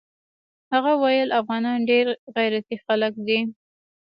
هغه ويل افغانان ډېر غيرتي خلق دي.